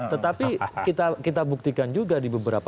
tetapi kita buktikan juga di beberapa